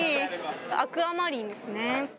アクアマリンですね。